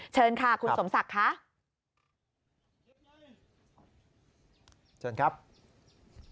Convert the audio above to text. เชิญค่ะคุณสมศักดิ์